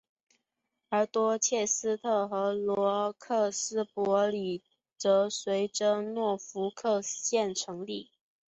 而多切斯特和罗克斯伯里则随着诺福克县成立。